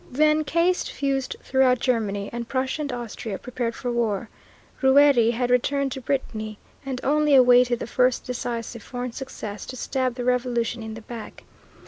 Then caste fused throughout Germany, and Prussia and Austria prepared for war. Rouërie had returned to Brittany and only awaited the first decisive foreign success to stab the Revolution in the back.